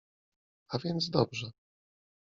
— A więc dobrze.